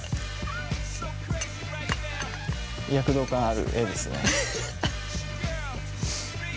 躍動感ある画ですね。